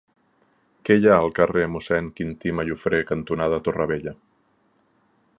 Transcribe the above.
Què hi ha al carrer Mossèn Quintí Mallofrè cantonada Torre Vella?